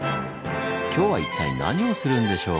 今日は一体何をするんでしょう？